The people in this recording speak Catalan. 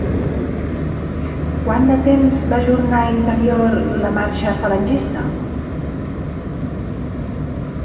Quant de temps va ajornar interior la marxa falangista?